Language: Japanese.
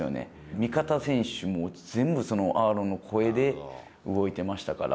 味方選手も全部アーロンの声で、動いてましたから。